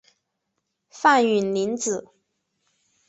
范允临子。